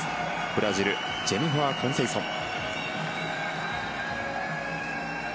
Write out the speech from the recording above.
ブラジルジェニファー・コンセイソン。